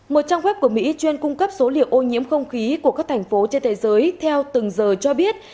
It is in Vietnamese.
một trang web của mỹ chuyên cung cấp số liệu ô nhiễm không khí của các thành phố trên thế giới theo từng giờ cho biết